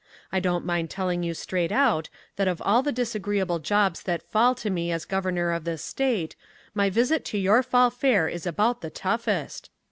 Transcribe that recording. I don't mind telling you straight out that of all the disagreeable jobs that fall to me as Governor of this State, my visit to your Fall Fair is about the toughest.